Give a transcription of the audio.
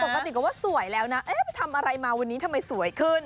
ปกติก็ว่าสวยแล้วนะไปทำอะไรมาวันนี้ทำไมสวยขึ้น